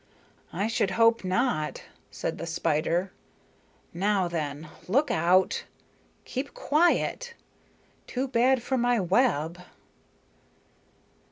"I should hope not," said the spider. "Now, then, look out! Keep quiet. Too bad for my web."